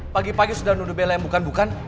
pagi pagi sudah nuduh bella yang bukan bukan